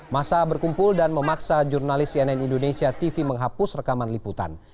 masa berkumpul dan memaksa jurnalis cnn indonesia tv menghapus rekaman liputan